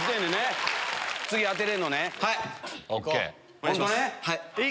お願いします。